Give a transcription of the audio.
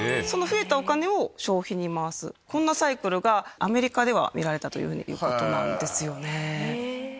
その増えたお金を消費に回す、こんなサイクルがアメリカでは見られたということなんですよね。